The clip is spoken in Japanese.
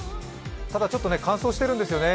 ただちょっと乾燥してるんですよね。